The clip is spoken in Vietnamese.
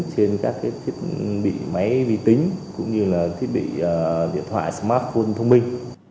trên các thiết bị máy vi tính cũng như là thiết bị điện thoại smartphone thông minh